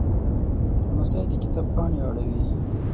لمسی د کتاب پاڼې اړوي.